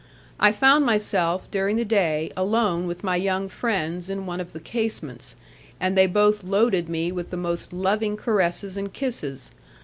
I found myself, during the day, alone with my young friends in one of the casements, and they both loaded me with the most loving caresses and kisses.